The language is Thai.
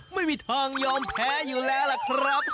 ไม่มีทางยอมแพ้อยู่แล้วล่ะครับ